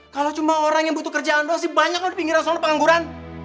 kalau cuma orang yang butuh kerjaan doa sih banyak loh di pinggiran soal pengangguran